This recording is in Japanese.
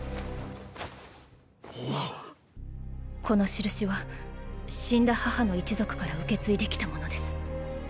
この印は死んだ母の一族から受け継いできたものです。